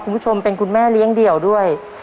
คุณผู้ชมเป็นคุณแม่เลี้ยงเดี่ยวด้วย